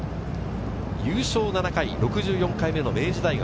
優勝７回、６４回目の明治大学。